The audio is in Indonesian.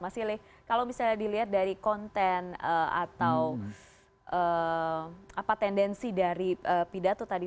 mas silih kalau misalnya dilihat dari konten atau tendensi dari pidato tadi